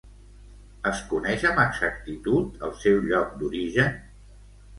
Es coneix amb exactitud el seu lloc d'origen?